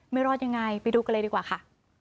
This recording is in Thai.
ไม่รอดยังไงไปดูกันเลยดีกว่าค่ะ